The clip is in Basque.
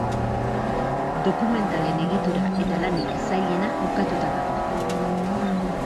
Dokumentalen egitura eta lanik zailena bukatuta dago.